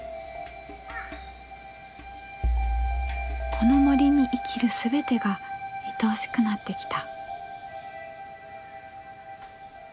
この森に生きる全てがいとおしくなってきた。